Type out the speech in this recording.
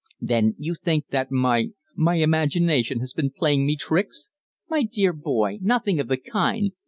"Then you think that my my imagination has been playing me tricks?" "My dear boy! Nothing of the kind.